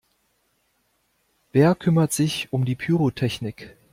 Wer kümmert sich um die Pyrotechnik?